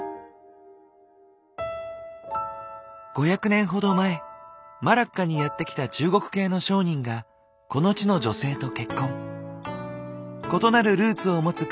５００年ほど前マラッカにやって来た中国系の商人がこの地の女性と結婚。